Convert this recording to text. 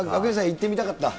行ってみたかった。